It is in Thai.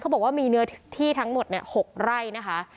บอกว่ามีเนื้อที่ทั้งหมด๖ไร่นะคะ